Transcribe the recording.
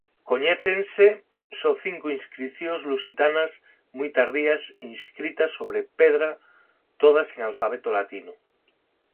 Coñécense só cinco inscricións lusitanas moi tardías inscritas sobre pedra todas en alfabeto latino.